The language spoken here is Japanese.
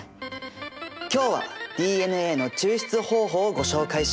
今日はＤＮＡの抽出方法をご紹介しました。